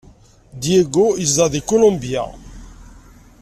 Diego yezdeɣ deg Kulumbya.